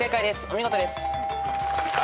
お見事です。